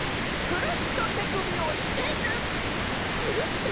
くるっとてくびをひねる？